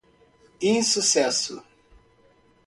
insucesso